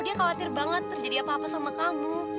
dia khawatir banget terjadi apa apa sama kamu